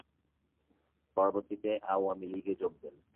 পরবর্তীতে আওয়ামী লীগে যোগ দেন।